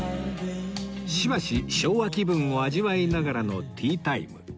しばし昭和気分を味わいながらのティータイム